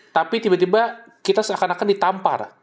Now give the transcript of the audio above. tapi tiba tiba kita seakan akan ditampar